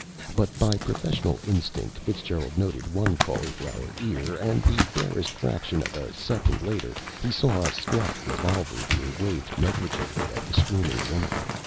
But by professional instinct Fitzgerald noted one cauliflower ear, and the barest fraction of a second later he saw a squat revolver being waved negligently at the screaming women.